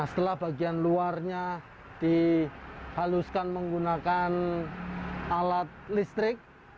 setelah bagian luarnya dihaluskan menggunakan alat listrik